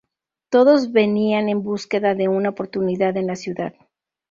Todos venían en búsqueda de una oportunidad en la ciudad.